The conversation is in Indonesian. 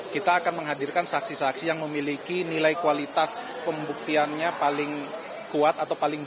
kita akan menghadirkan saksi saksi yang memiliki nilai kualitas pembuktiannya paling kuat atau paling tinggi